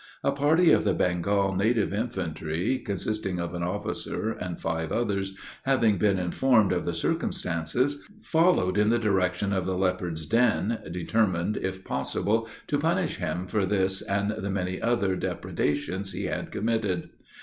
A party of the Bengal native infantry, consisting of an officer and five others, having been informed of the circumstance, followed in the direction of the leopard's den determined, if possible, to punish him for this and the many other depredations he had committed.